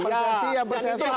itu harus dilakukan